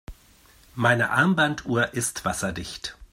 Meine Armbanduhr ist wasserdicht.